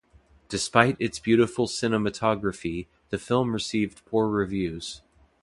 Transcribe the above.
Despite its beautiful cinematography, the film received poor reviews.